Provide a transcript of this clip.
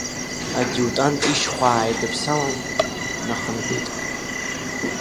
Адиутант ишьхәа ааидиԥсалан, днахынҳәит.